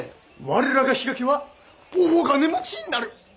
我らが比嘉家は大金持ちになる！